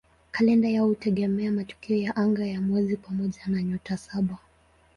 Kalenda yao hutegemea matukio ya anga ya mwezi pamoja na "Nyota Saba".